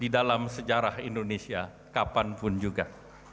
di dalam sejarah indonesia kapanpun juga